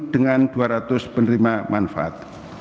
dengan dua ratus penerima manfaat